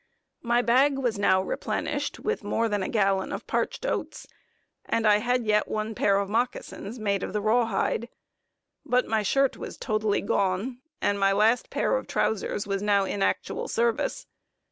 My bag was now replenished with more than a gallon of parched oats, and I had yet one pair of moccasins made of raw hide; but my shirt was totally gone, and my last pair of trowsers was now in actual service.